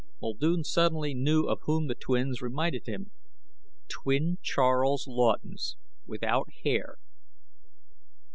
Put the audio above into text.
Muldoon suddenly knew of whom the twins reminded him. Twin Charles Laughtons, without hair.